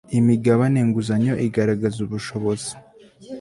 imigabane nguzanyo igaragaza ubushobozi